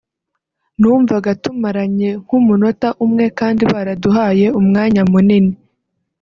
numvaga tumaranye nk'umunota umwe kandi baraduhaye umwanya munini